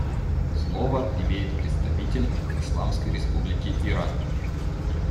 Слово имеет представитель Исламской Республики Иран.